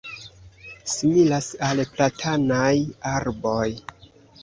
similas al platanaj arboj